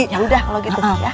yaudah kalo gitu